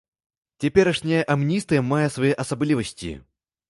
Цяперашняя амністыя мае свае асаблівасці.